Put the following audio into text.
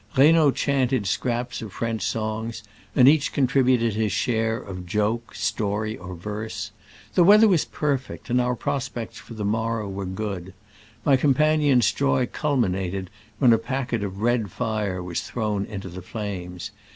Reynaud chanted scraps of French songs, and each contributed his share of joke, story or verse. The weather was perfect, and our prospects for the morrow were good. My companions' joy culminated when a packet of red fire was thrown into the flames.